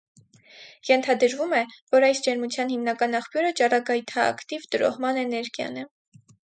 Ենթադրվում է, որ այս ջերմության հիմնական աղբյուրը ճառագայթաակտիվ տրոհման էներգիան է։